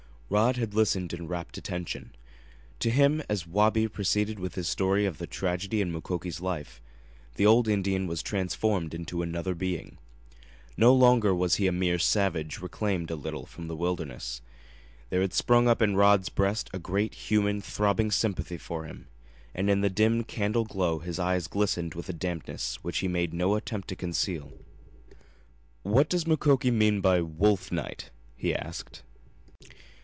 Rod had listened in rapt attention. To him, as Wabi proceeded with his story of the tragedy in Mukoki's life, the old Indian was transformed into another being. No longer was he a mere savage reclaimed a little from the wilderness. There had sprung up in Rod's breast a great, human, throbbing sympathy for him, and in the dim candle glow his eyes glistened with a dampness which he made no attempt to conceal. "What does Mukoki mean by 'wolf night'?" he asked.